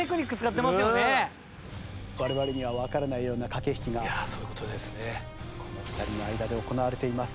我々にはわからないような駆け引きがこの２人の間で行われています。